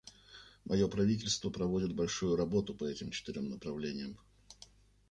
Мое правительство проводит большую работу по этим четырем направлениям.